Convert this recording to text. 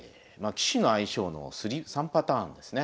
棋士の相性の３パターンですね。